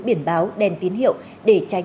biển báo đèn tín hiệu để tránh